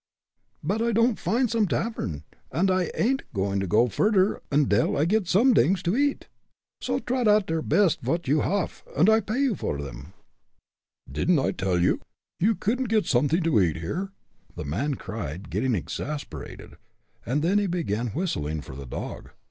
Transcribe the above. "But I don'd find some tavern, und I ain'd going no furder ondil I get somedings to eat. So trot oud der best vot you haff, und I pay for 'em." "Didn't I tell you, you couldn't get something to eat here?" the man cried, getting exasperated. Then he began whistling for the dog.